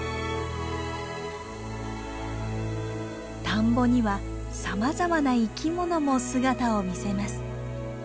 田んぼにはさまざまな生き物も姿を見せます。